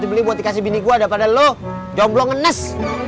dibeli buat dikasih bini gua daripada lo jomblo ngenes